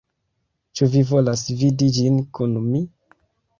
Ĉu vi volas vidi ĝin kun mi?